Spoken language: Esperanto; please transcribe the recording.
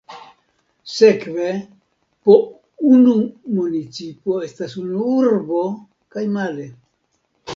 Sekve, po unu municipo estas unu urbo, kaj male.